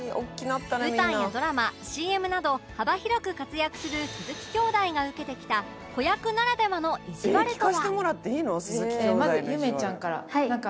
舞台やドラマ ＣＭ など幅広く活躍する鈴木きょうだいが受けてきた子役ならではのいじわるとは？